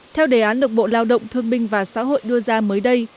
theo đề án được bộ lao động thương binh và xã hội đưa ra mới đây